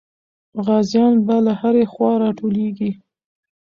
غازیان به له هرې خوا راټولېږي.